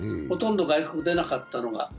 ほとんど外国出なかったのが。